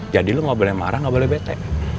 jadi lo gak boleh marah gak boleh bete